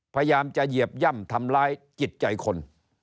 พยายามจะเหยียบย่ำทำร้ายจิตใจคน